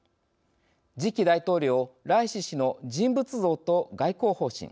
次期大統領、ライシ師の人物像と外交方針。